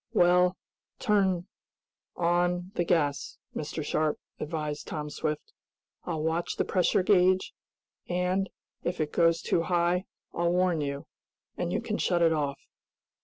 "Well, turn on the gas, Mr. Sharp," advised Tom Swift. "I'll watch the pressure gauge, and, if it goes too high, I'll warn you, and you can shut it off."